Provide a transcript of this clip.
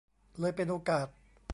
เลยเป็นโอกาส